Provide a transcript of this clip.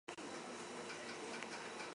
Asteartean aurrenekoa jokatuko da.